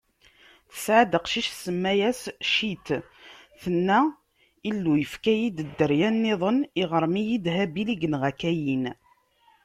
Tesɛa-d aqcic, tsemma-yas Cit, tenna: Illu yefka-yi-d dderya-nniḍen, iɣrem-iyi-d Habil, i yenɣa Kayin.